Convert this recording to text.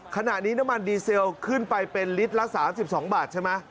ขณะนี้น้ำมันดีเซลขึ้นไปเป็นลิตรละ๓๒บาทใช่ไหม